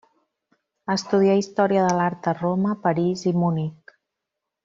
Estudià història de l'art a Roma, París i Munic.